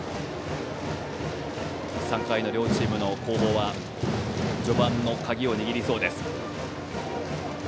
３回の両チームの攻防は序盤の鍵を握りそうです。